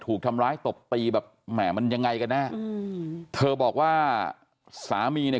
ถูกทำร้ายตบตีแบบแหม่มันยังไงกันแน่อืมเธอบอกว่าสามีเนี่ย